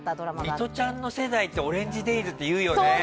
ミトちゃんの世代って「オレンジデイズ」って言うよね。